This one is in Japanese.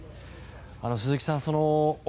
鈴木さん